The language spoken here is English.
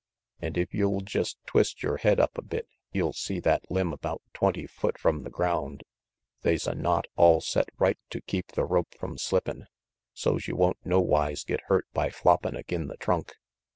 An' if you'll jest twist yore head up a bit you'll see that limb about twenty foot from the ground. They's a knot all set right to keep the rope from slippin', so's you won't nowise get hurt by floppin' agin the trunk.